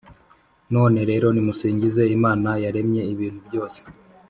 None rero, nimusingize Imana yaremye ibintu byose,